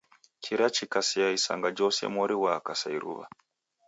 Kira chikasea isanga jose mori ghwaaka sa iruw'a.